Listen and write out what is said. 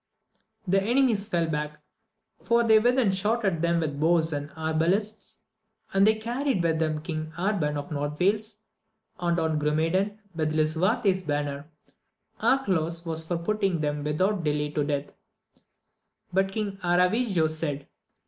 The enemies fell back, for they within shot at them with bows and arbalists, and they carried with them King Arban of North Wales, and Don Grumedan, with Lisuarte's banner. Arcalaus was for putting them without delay to death ; but King Aravigo said.